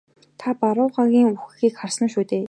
Та Барруагийн үхэхийг харсан шүү дээ?